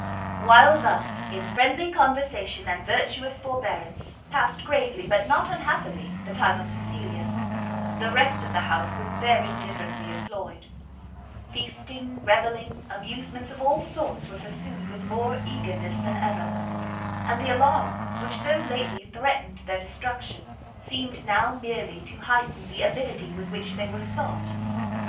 While thus, in friendly conversation and virtuous forbearance, passed gravely, but not unhappily, the time of Cecilia, the rest of the house was very differently employed; feasting, revelling, amusements of all sorts were pursued with more eagerness than ever, and the alarm which so lately threatened their destruction, seemed now merely to heighten the avidity with which they were sought.